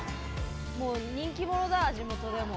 もう人気者だ地元でも。